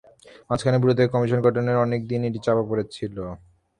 মাঝখানে ব্যুরো থেকে কমিশন গঠনের কারণে অনেক দিন এটি চাপা পড়ে ছিল।